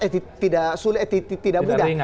eh tidak sulit eh tidak mudah